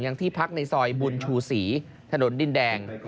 ที่พักในซอยบุญชูศรีถนนดินแดง